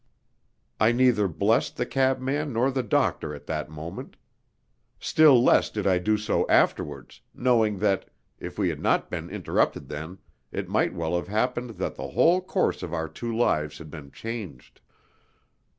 I neither blessed the cabman nor the doctor at that moment. Still less did I do so afterwards, knowing that, if we had not been interrupted then, it might well have happened that the whole course of our two lives had been changed.